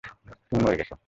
তুমি মরে গেছো।